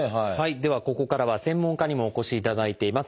ではここからは専門家にもお越しいただいています。